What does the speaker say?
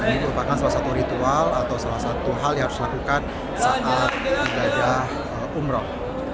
ini merupakan salah satu ritual atau salah satu hal yang harus dilakukan saat ibadah umroh